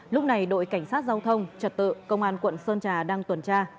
lúc này đội cảnh sát giao thông trật tự công an quận sơn trà đang tuần tra